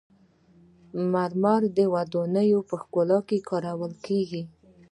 مرمر د ودانیو په ښکلا کې کارول کیږي.